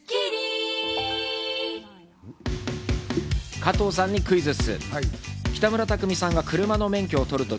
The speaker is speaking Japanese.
加藤さんにクイズッス！